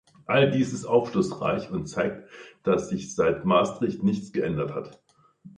All dies ist aufschlussreich und zeigt, dass sich seit Maastricht nichts geändert hat.